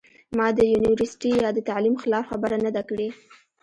ما د يونيورسټۍ يا د تعليم خلاف خبره نۀ ده کړې